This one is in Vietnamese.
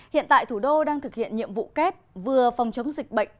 hiện tại thủ đô đang thực hiện nhiệm vụ kép vừa phòng chống dịch bệnh